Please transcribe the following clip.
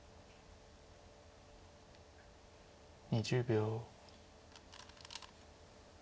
２０秒。